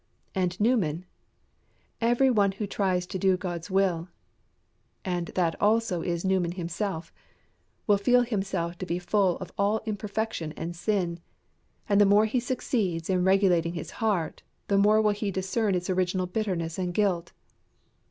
And Newman: "Every one who tries to do God's will" and that also is Newman himself "will feel himself to be full of all imperfection and sin; and the more he succeeds in regulating his heart, the more will he discern its original bitterness and guilt."